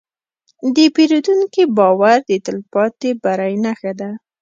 د پیرودونکي باور د تلپاتې بری نښه ده.